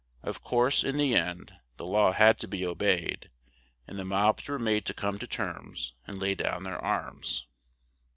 Of course, in the end, the law had to be o beyed and the mobs were made to come to terms, and lay down their arms.